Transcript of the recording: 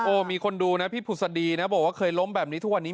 มีคนดูนะพี่ผุศดีนะบอกว่าเคยล้มแบบนี้ทุกวันนี้